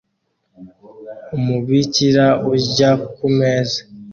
Umubikira urya ku meza